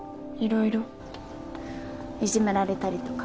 いじめられたりとか。